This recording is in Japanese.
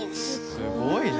すごいな！